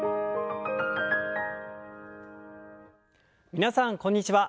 皆さんこんにちは。